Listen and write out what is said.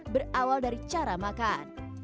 berawal dari cara makan